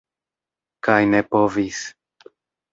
Kaj ne povis.